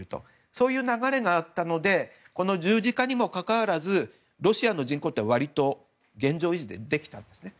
そういう流れがあったので十字架にもかかわらずロシアの人口って現状維持ができたんですね。